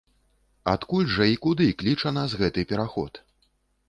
Адкуль жа і куды кліча нас гэты пераход?